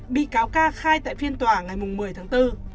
bị cáo ca khai tại phiên tòa ngày một mươi tháng bốn